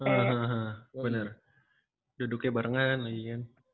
hahaha benar duduknya barengan lagi kan